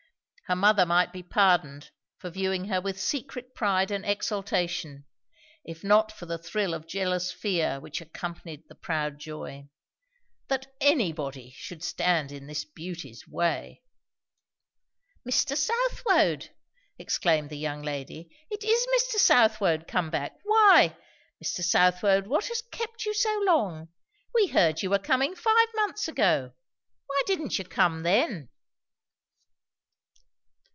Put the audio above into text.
Her mother might be pardoned for viewing her with secret pride and exultation, if not for the thrill of jealous fear which accompanied the proud joy. That anybody should stand in this beauty's way! "Mr. Southwode!" exclaimed the young lady. "It is Mr. Southwode come back. Why, Mr. Southwode, what has kept you so long? We heard you were coming five months ago. Why didn't you come then?"